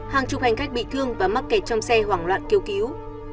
hàng chục hành khách bị thương và mắc kẹt trong xe hoảng loạn kêu cứu